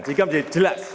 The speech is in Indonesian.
sehingga menjadi jelas